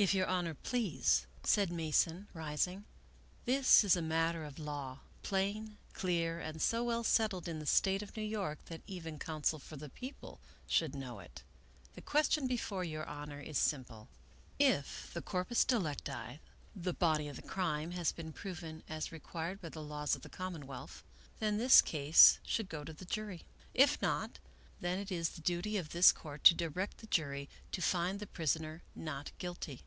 " If your Honor please," said Mason, rising, " this is a matter of law, plain, clear, and so well settled in the State of New York that even counsel for the People should know it. The question before your Honor is simple. If the cor pus delicti, the body of the crime, has been proven, as re quired by the laws of the commonwealth, then this case should go to the jury. If not, then it is the duty of this Court to direct the jury to find the prisoner not guilty.